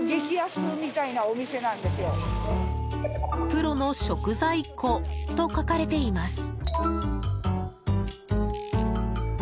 プロの食材庫と書かれています。